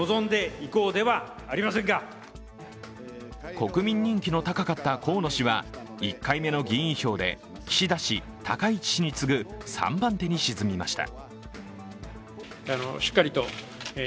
国民人気の高かった河野氏は１回目の議員票で岸田氏、高市氏に次ぐ３番手に沈みました。